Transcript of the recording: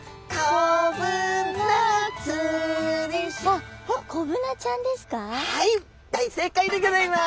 あっはい大正解でギョざいます。